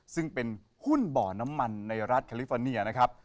ซึ่งเป็นหุ้นบ่อน้ำมันในรัฐแคลิฟอร์เนียนะครับ